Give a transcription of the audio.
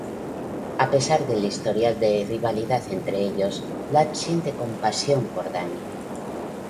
A pesar del historial de rivalidad entre ellos, Vlad siente compasión por Danny.